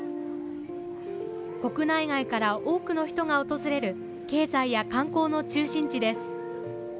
国内外から多くの人が訪れる経済や観光の中心地です。